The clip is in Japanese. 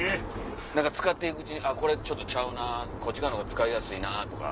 何か使って行くうちにこれちょっとちゃうなこっち側のが使いやすいなとか？